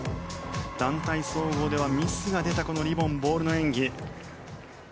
団体総合ではミスが出たこのリボン・ボールの演技。